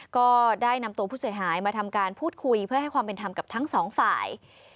ก็ได้นำตัวผู้เสียหายมาทำการพูดคุยเพื่อให้ความเป็นธรรมกับทั้งสองฝ่าย